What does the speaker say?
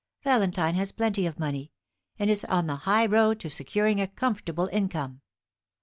Valentine has plenty of money, and is on the high road to securing a comfortable income.